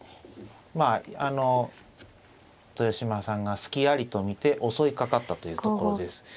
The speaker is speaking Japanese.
まああの豊島さんが隙ありと見て襲いかかったというところです。